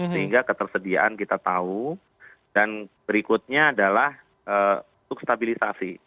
sehingga ketersediaan kita tahu dan berikutnya adalah untuk stabilisasi